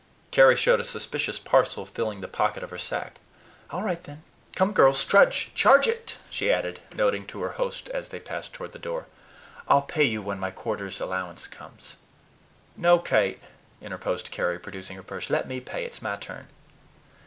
Carry showed a suspicious parcel filling the pocket of her sack. "All right, then. Come, girls, trudge Charge it," she added, nodding to her host as they passed toward the door. "I'll pay you when my quarter's allowance comes." "No, Kate," interposed Carry, producing her purse, "let me pay; it's my turn."